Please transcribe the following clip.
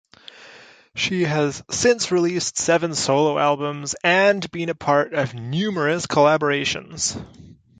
She has since released seven solo albums and been a part of numerous collaborations.